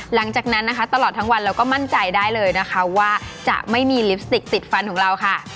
หลังจากนั้นนะคะตลอดทั้งวันเราก็มั่นใจได้เลยนะคะว่าจะไม่มีลิปสติกติดฟันของเราค่ะ